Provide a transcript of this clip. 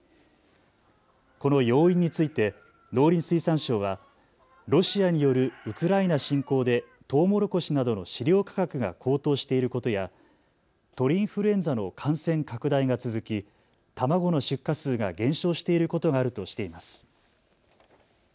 この要因について農林水産省はロシアによるウクライナ侵攻でとうもろこしなどの飼料価格が高騰していることや鳥インフルエンザの感染拡大が続き、卵の出荷数が減少していることがあるとしています。